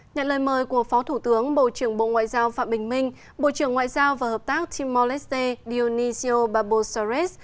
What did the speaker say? nhận lời mời của phó thủ tướng bộ trưởng bộ ngoại giao phạm bình minh bộ trưởng ngoại giao và hợp tác timor leste dionisio barbosares